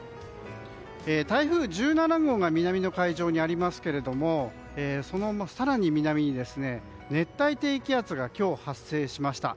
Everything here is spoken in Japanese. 台風１７号が南の海上にありますけどその更に南に熱帯低気圧が今日発生しました。